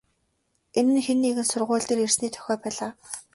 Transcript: Энэ нь хэн нэгэн сургууль дээр ирсний дохио байлаа.